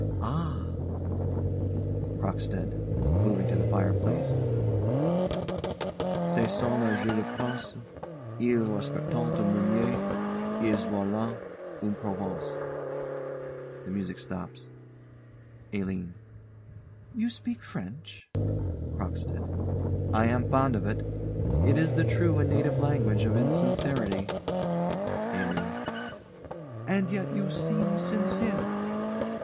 Ah CROCKSTEAD. [Moving to the fireplace.] "Ce sont là jeux de Princes: Ils respectent un meunier, Ils volent une province." [The music stops. ALINE. You speak French? CROCKSTEAD. I am fond of it. It is the true and native language of insincerity. ALINE. And yet you seem sincere.